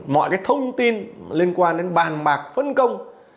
mọi cái thông tin liên quan đến bàn bạc phân công